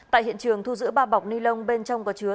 trường thu giữ ba bọc ni lông bên trong có chứa